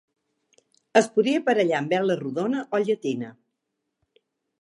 Es podia aparellar amb vela rodona o llatina.